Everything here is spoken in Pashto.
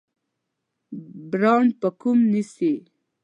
برانډ په پام کې نیسئ؟